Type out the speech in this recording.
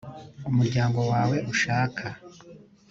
umuryango wawe ushaka